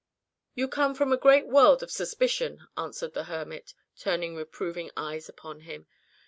"You come from the great world of suspicion," answered the hermit, turning reproving eyes upon him.